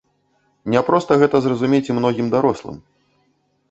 Няпроста гэта зразумець і многім дарослым.